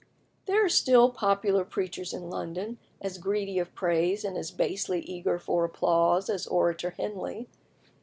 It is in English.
There are still popular preachers in London as greedy of praise and as basely eager for applause as Orator Henley.